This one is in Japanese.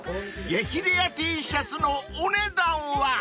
［激レアＴシャツのお値段は！？］